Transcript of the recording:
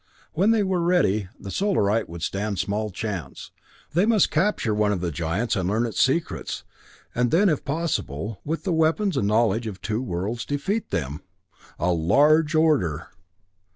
When they were ready, the Solarite would stand small chance. They must capture one of the giants and learn its secrets, and then, if possible, with the weapons and knowledge of two worlds, defeat them. A large order!